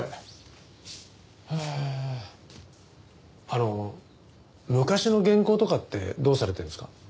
あの昔の原稿とかってどうされてるんですか？